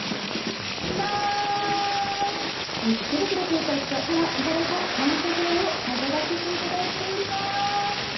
じゃーん、池袋警察署からいただいた感謝状を飾らせていただいています！